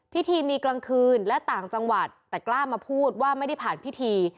พิธีมีกลางคืนและต่างจังหวัดแต่กล้ามาพูดว่าไม่ได้ผ่านพิธี